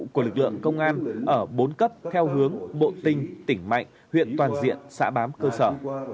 của lực lượng công an ở bốn cấp theo hướng bộ tinh tỉnh mạnh huyện toàn diện xã bám cơ sở